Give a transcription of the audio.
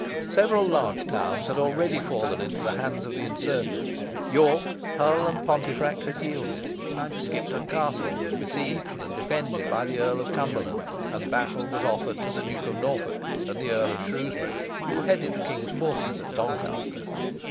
Several large towns had already fallen into the hands of the insurgents. York, Hull, and Pontefract had yielded; Skipton Castle was besieged, and defended by the Earl of Cumberland; and battle was offered to the Duke of Norfolk and the Earl of Shrewsbury, who headed the king's forces at Doncaster.